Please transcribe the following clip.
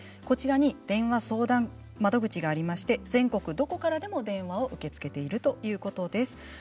こちらに電話相談窓口がありまして全国どこからでも電話を受け付けているということです。